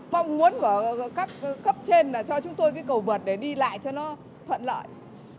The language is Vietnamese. mong muốn của các cấp trên là cho chúng tôi cái cầu vượt để đi lại cho nó thuận lợi